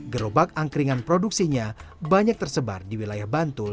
gerobak angkringan produksinya banyak tersebar di wilayah bantul